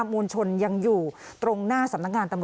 คุณภูริพัฒน์ครับ